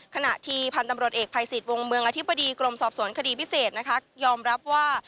ขณะที่พันธุ์ตำรวจเอกภัยสิทธิ์วงเมืองอธิบดีกรมสอบสวนคดีพิเศษนะคะยอมรับว่า